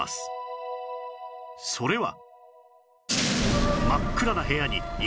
それは